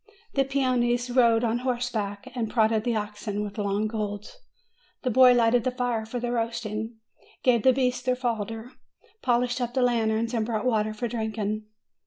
The peones rode on horseback, and prodded the oxen with long goads. The boy lighted the fire for the roasting, gave the beasts their fodder, polished up the lanterns, and brought water for drinking.